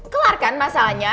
kelar kan masalahnya